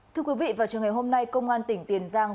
thưa quý vị vào trường ngày hôm nay công an tỉnh tiền giang